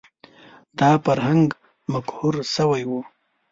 دا فرهنګ مقهور شوی و